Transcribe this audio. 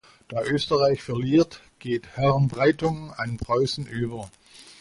Da Österreich verliert, geht Herrenbreitungen an Preußen über.